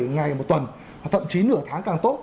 ngày một tuần thậm chí nửa tháng càng tốt